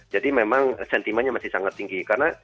jadi memang sentimennya masih sangat tinggi